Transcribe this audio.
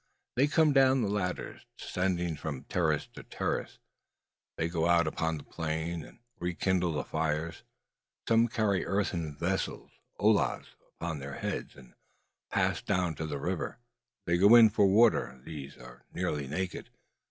They come down the ladders, descending from terrace to terrace. They go out upon the plain, and rekindle the fires. Some carry earthen vessels, ollas, upon their heads, and pass down to the river. They go in for water. These are nearly naked.